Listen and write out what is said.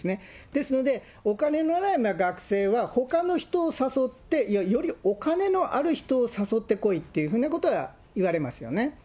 ですので、お金のない学生は、ほかの人を誘って、よりお金のある人を誘ってこいっていうふうなことは言われますよね。